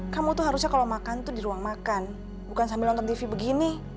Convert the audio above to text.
kamu tuh harusnya kalau makan tuh di ruang makan bukan sambil nonton tv begini